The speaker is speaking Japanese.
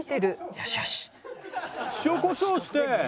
よしよし。